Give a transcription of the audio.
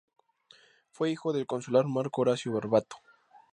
Fue hijo del consular Marco Horacio Barbato.